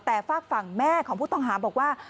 แต่ฝากฝั่งแม่ของผู้ต้องหาบอกว่า